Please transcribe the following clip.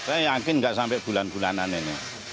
saya yakin nggak sampai bulan bulanan ini